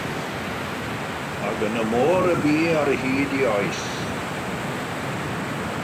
Ac yn y môr y bu ar hyd ei oes.